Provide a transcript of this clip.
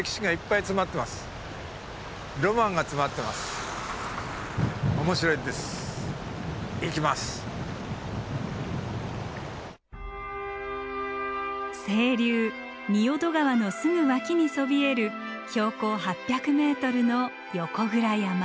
もう川遊び専門でしたが清流仁淀川のすぐ脇にそびえる標高８００ｍの横倉山。